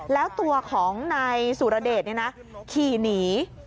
แล้วตัวของนายสุรเดชขี่หนี